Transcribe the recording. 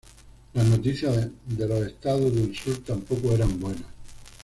Las noticias de los Estados del sur tampoco eran buenas.